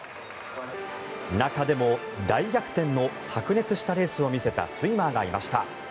中でも、大逆転の白熱したレースを見せたスイマーがいました。